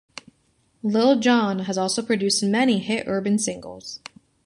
Lil Jon has also produced many hit urban singles.